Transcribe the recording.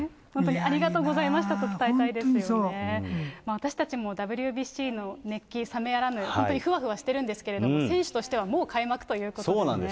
私たちもＷＢＣの熱気、冷めやらぬ、本当にふわふわしてるんですけど、選手としてはもう開幕ということなんですね。